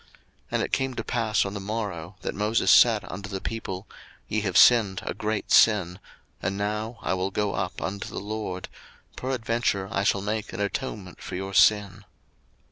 02:032:030 And it came to pass on the morrow, that Moses said unto the people, Ye have sinned a great sin: and now I will go up unto the LORD; peradventure I shall make an atonement for your sin.